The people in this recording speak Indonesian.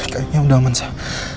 kayaknya udah aman sih